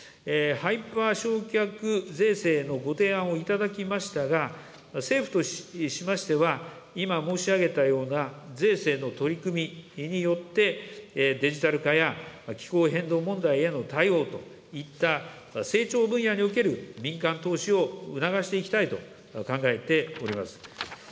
ハイパー償却税制のご提案をいただきましたが、政府としましては、今申し上げたような税制の取り組みによって、デジタル化や気候変動問題への対応といった成長分野における民間投資を促していきたいと考えております。